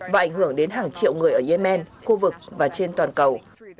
và ảnh hưởng đến hàng triệu người ở yemen khu vực và trên toàn cầu